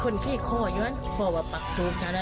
วิทยาลัยศาสตร์อัศวินตรี